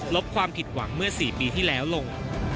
ความผิดหวังเมื่อ๔ปีที่แล้วลง